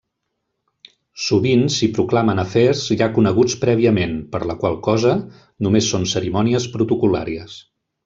Sovint s'hi proclamen afers ja coneguts prèviament, per la qual cosa només són cerimònies protocol·làries.